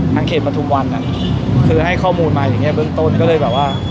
เขตประทุมวันอ่ะคือให้ข้อมูลมาอย่างเงี้เบื้องต้นก็เลยแบบว่า